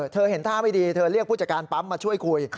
เห็นท่าไม่ดีเธอเรียกผู้จัดการปั๊มมาช่วยคุย